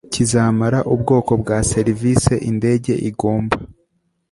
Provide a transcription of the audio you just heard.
kizamara ubwoko bwa serivisi indege igomba